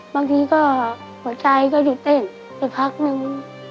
บางทีก็หัวใจก็หยุดเต้นไปพักนึง